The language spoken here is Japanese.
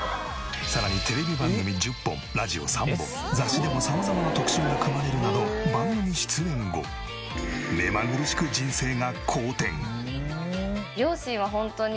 さらにテレビ番組１０本ラジオ３本雑誌でも様々な特集が組まれるなど番組出演後目まぐるしく人生が好転。